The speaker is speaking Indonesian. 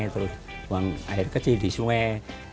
terus buang air kecil di sungai